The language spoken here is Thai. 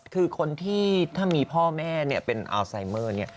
คือคนที่ถ้ามีพ่อแม่เป็นอัลไซเมอร์